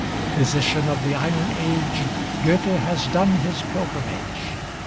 Physician of the iron age, Goethe has done his pilgrimage.